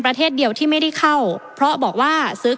ประเทศอื่นซื้อในราคาประเทศอื่น